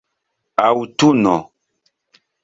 aŭtuno